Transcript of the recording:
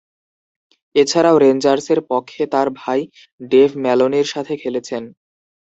এছাড়াও, রেঞ্জার্সের পক্ষে তার ভাই ডেভ ম্যালোনির সাথে খেলেছেন।